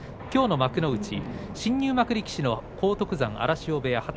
きょうの幕内新入幕力士の荒篤山荒汐部屋